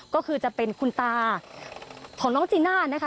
ก็คือจะเป็นคุณตาของน้องจีน่านะคะ